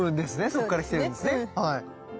そっから来てるんですね。